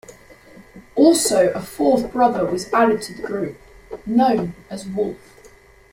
Also a fourth brother was added to the group known as Wolf.